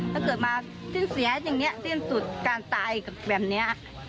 ถ้าเกิดมาสิ้นเสียอย่างนี้สิ้นสุดการตายแบบนี้